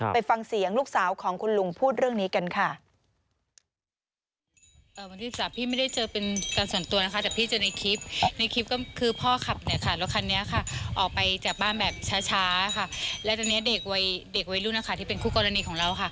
ไปฟังเสียงลูกสาวของคุณลุงพูดเรื่องนี้กันค่ะ